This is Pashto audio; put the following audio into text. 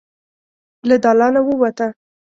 له دالانه ووته.